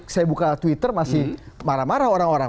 saya buka twitter masih marah marah orang orang